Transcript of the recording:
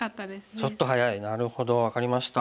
ちょっと早いなるほど分かりました。